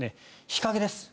日陰です。